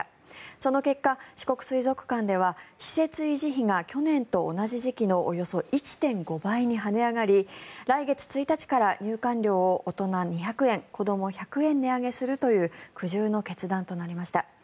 その結果、四国水族館では施設維持費が去年と同じ時期のおよそ１．５倍に跳ね上がり来月１日から入館料を大人２００円、子ども１００円値上げするという苦渋の決断となりました。